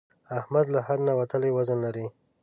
احمد له حد نه وتلی وزن لري.